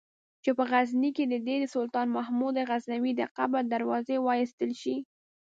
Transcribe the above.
چې په غزني کې دې د سلطان محمود غزنوي د قبر دروازې وایستل شي.